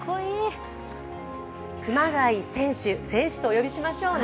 熊谷選手とお呼びしましょうね。